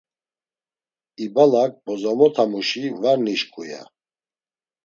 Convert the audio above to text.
İbalak bozomotamuşi var nişǩu ya.